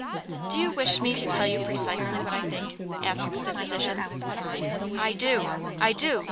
"Do you wish me to tell you precisely what I think?" asked the physician. "I do! I do!